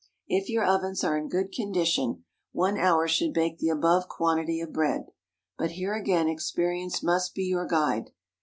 If your ovens are in good condition, one hour should bake the above quantity of bread. But here again experience must be your guide.